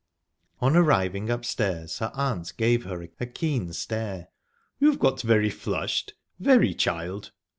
On arriving upstairs, her aunt gave her a keen stare. "You've got a very flushed very, child."